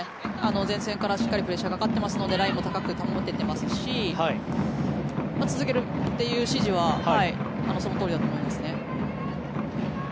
前線からしっかりプレッシャーがかかってますのでラインも高く保てていますし続けろという指示はそのとおりだと思いますね。